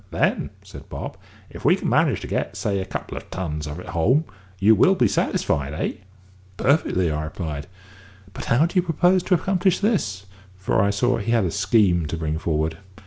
"Then," said Bob, "if we can manage to get, say, a couple of tons of it home, you will be satisfied eh?" "Perfectly," I replied; "but how do you propose to accomplish this?" for I saw he had a scheme to bring forward.